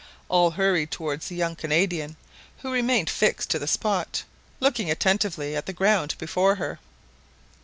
All hurried towards the young Canadian, who remained fixed to the spot, looking attentively at the ground before her.